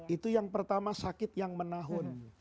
itu yang pertama sakit yang menahun